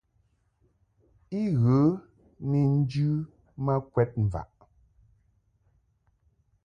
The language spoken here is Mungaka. I ghə ni njɨ ma kwɛd mvaʼ.